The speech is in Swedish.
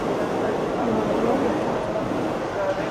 Ja, jag vet inte.